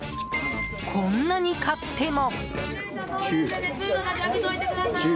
こんなに買っても。